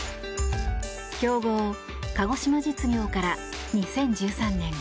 強豪・鹿児島実業から２０１３年